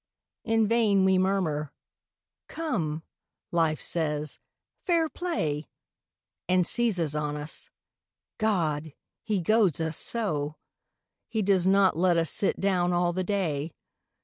In vain we murmur; "Come," Life says, "Fair play!" And seizes on us. God! he goads us so! He does not let us sit down all the day.